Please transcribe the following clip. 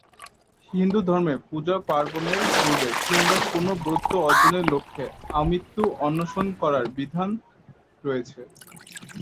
হিন্দুধর্মে পূজা-পার্বণের পূর্বে কিংবা কোনো ব্রত অর্জনের লক্ষ্যে আমৃত্যু অনশন করার বিধান রয়েছে।